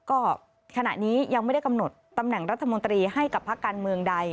ก็ขณะนี้ยังไม่ได้กำหนดตำแหน่งรัฐมนตรีให้กับพักการเมืองใด